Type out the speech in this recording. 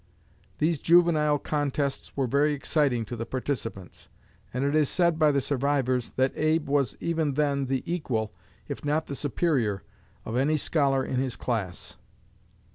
These juvenile contests were very exciting to the participants, and it is said by the survivors that Abe was even then the equal, if not the superior, of any scholar in his class.